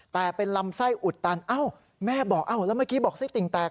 แต่เป็นลำไส้อุดตันเอ้าแม่บอกอ้าวแล้วเมื่อกี้บอกไส้ติ่งแตก